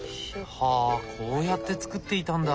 はあこうやって作っていたんだ。